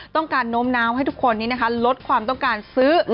โน้มน้าวให้ทุกคนนี้นะคะลดความต้องการซื้อ